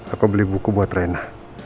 aku beli buku buat rena